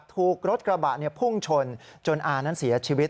ถูกรถกระบะพุ่งชนจนอานั้นเสียชีวิต